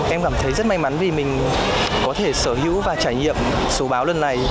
em cảm thấy rất may mắn vì mình có thể sở hữu và trải nghiệm số báo lần này